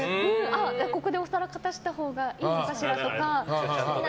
ここでお皿片したほうがいいのかしらとか。